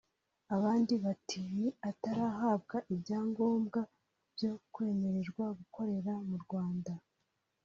abandi bati ni atarahabwa ibyangombwa byo kwemererwa gukorera mu Rwanda